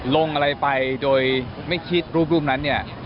ลงอะไรไปโดยไม่คิดรูปนั้นเนี่ย